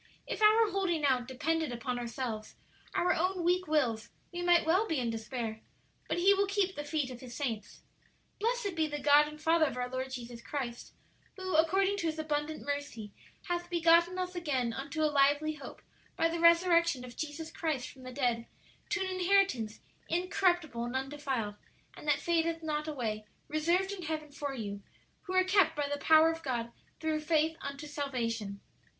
If our holding out depended upon ourselves, our own weak wills, we might well be in despair; but 'He will keep the feet of His saints.' "'Blessed be the God and Father of our Lord Jesus Christ, who, according to His abundant mercy, hath begotten us again unto a lively hope by the resurrection of Jesus Christ from the dead, to an inheritance incorruptible and undefiled, and that fadeth not away, reserved in heaven for you, who are kept by the power of God through faith unto salvation.'